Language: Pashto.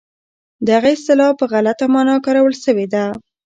دغه اصطلاح په غلطه مانا کارول شوې ده.